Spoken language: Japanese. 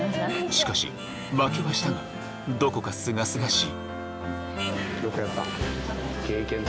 しかし負けはしたがどこかすがすがしい